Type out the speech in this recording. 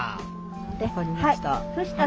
分かりました。